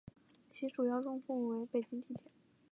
其主要用户为北京地铁。